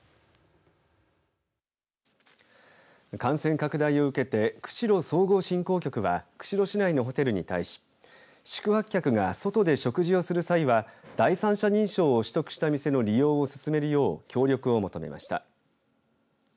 感染拡大を受けて釧路総合振興局は釧路市内のホテルに対し宿泊客が外で食事をする際は第三者認証を取得した店の利用をすすめるよう協力を求めました。